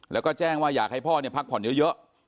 แล้วก็แจ้งว่าอยากให้พ่อพักผ่อนเยอะ